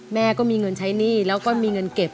แม่ก็มีเงินใช้หนี้แล้วก็มีเงินเก็บ